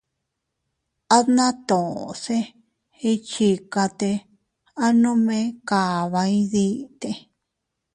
Atna toʼo se iychikate, at nome kaba iydite.